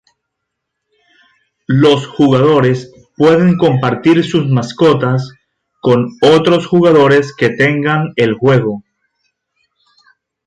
Los jugadores pueden compartir sus mascotas con otros jugadores que tenga el juego.